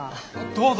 どうぞ！